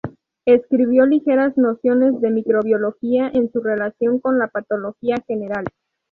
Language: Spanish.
Escribió "Ligeras nociones de microbiología en su relación con la patología general.